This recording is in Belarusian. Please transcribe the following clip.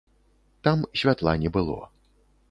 Там святла не было.